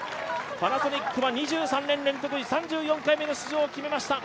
パナソニックは２３年連続３４回目の出場を決めました。